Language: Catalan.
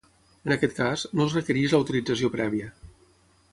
En aquest cas, no es requereix l'autorització prèvia.